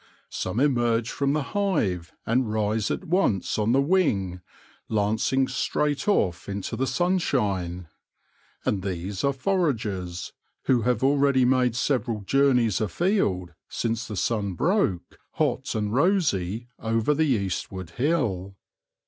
Some emerge from the hive and rise at once on the wing, lancing straight off into the sunshine ; and these are foragers, who have already made several journeys afield since the sun broke, hot and rosy, over the eastward hill.